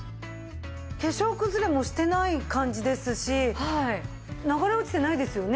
化粧くずれもしてない感じですし流れ落ちてないですよね。